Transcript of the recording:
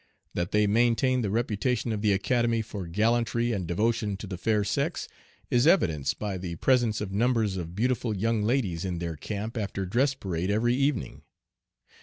That they maintain the reputation of the Academy for gallantry and devotion to the fair sex is evidenced by the presence of numbers of beautiful young ladies in their camp after dress parade every evening.